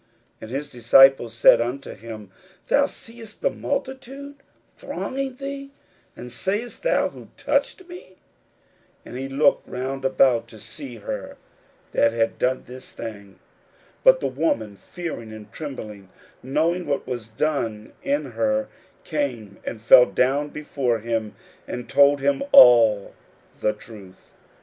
41:005:031 And his disciples said unto him, Thou seest the multitude thronging thee, and sayest thou, Who touched me? 41:005:032 And he looked round about to see her that had done this thing. 41:005:033 But the woman fearing and trembling, knowing what was done in her, came and fell down before him, and told him all the truth.